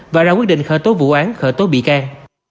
và ra quyết định khởi tố vụ án khởi tố bị can